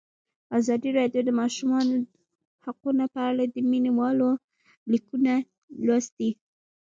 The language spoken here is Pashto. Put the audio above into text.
ازادي راډیو د د ماشومانو حقونه په اړه د مینه والو لیکونه لوستي.